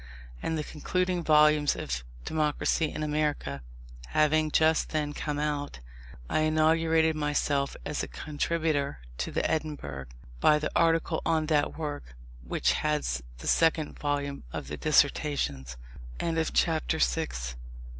And the concluding volumes of Democracy in America, having just then come out, I inaugurated myself as a contributor to the Edinburgh, by the article on that work, which heads the second volume of the Dissertations. CHAPTER VII.